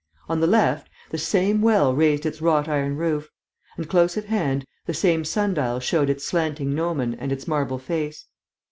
On the left, the same well raised its wrought iron roof; and, close at hand, the same sun dial showed its slanting gnomon and its marble face.